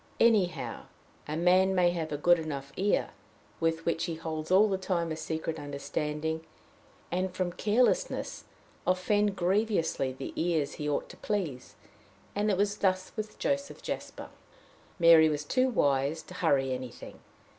Anyhow, a man may have a good enough ear, with which he holds all the time a secret understanding, and from carelessness offend grievously the ears he ought to please; and it was thus with Joseph Jasper. Mary was too wise to hurry anything.